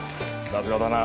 さすがだな。